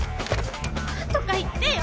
何とか言ってよ！